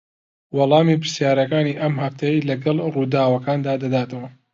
وەڵامی پرسیارەکانی ئەم هەفتەیەی لەگەڵ ڕووداوەکاندا دەداتەوە